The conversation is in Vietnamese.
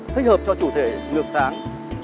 thích hợp cho chủ thể ngược sáng